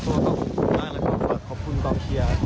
คือเอาวิ่งเป็นอาชีพแล้วอ่ะกลับมาแล้วก็มาเล่นคอนเสิร์ตอย่างนี้เนอะ